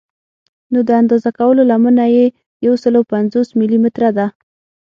نو د اندازه کولو لمنه یې یو سل او پنځوس ملي متره ده.